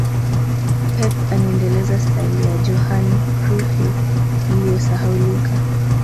pep anaendeleza staili ya Johan Crufy iliyosahaulika